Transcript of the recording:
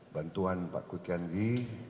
bantuan pak kutian ghi